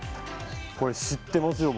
これ知ってますよ